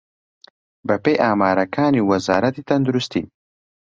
بەپێی ئامارەکانی وەزارەتی تەندروستی